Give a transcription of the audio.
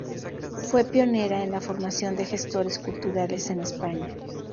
Fue pionera en la formación de gestores culturales en España.